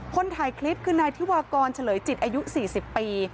คนถ่ายคลิปคือนายธิวากรเฉลยจิตอายุ๔๐ปี